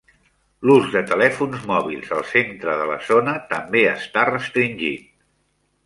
L'ús de telèfons mòbils al centre de la zona també està restringit.